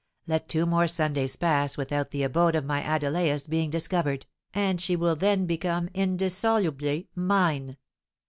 "Let two more Sundays pass without the abode of my Adelais being discovered, and she will then become indissolubly mine!"